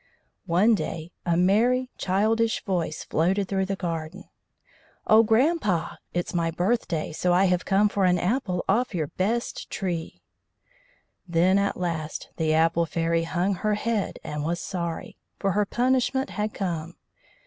One day a merry, childish voice floated through the garden: "Oh, grandpa! it's my birthday, so I have come for an apple off your best tree." Then at last the Apple Fairy hung her head, and was sorry, for her punishment had come.